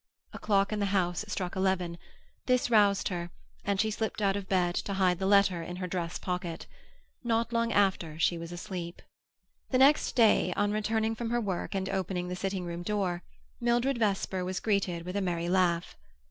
A clock in the house struck eleven; this roused her, and she slipped out of the bed to hide the letter in her dress pocket. Not long after she was asleep. The next day, on returning from her work and opening the sitting room door, Mildred Vesper was greeted with a merry laugh.